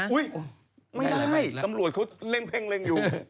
ไอ้ล่ะตำรวจเขาเล่งเพ็งเล่งอยู่